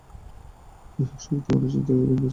তাঁর দৈহিক শক্তি সাধারণ মানুষ থেকে কয়েক গুণ বেশি ছিল।